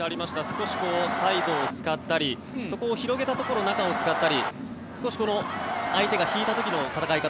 少しサイドを使ったりそこを広げたところ中を使ったり少し相手が引いた時の戦い方